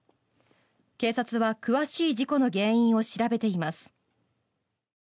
警察は詳しい事故の原因を調べています。